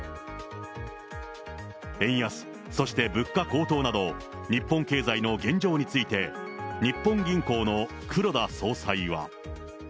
円安、そして物価高騰など、日本経済の現状について、日本銀行の黒田総裁は。